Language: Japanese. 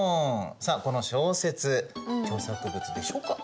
さあこの小説著作物でしょうか？